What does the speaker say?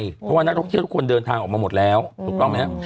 เพราะว่านักท่องเที่ยวทุกคนเดินทางออกมาหมดแล้วถูกต้องไหมครับ